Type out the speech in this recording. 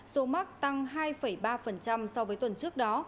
số mắc tăng hai ba so với tuần trước đó